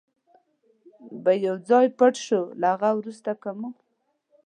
به یو ځای پټ شو، له هغه وروسته که مو.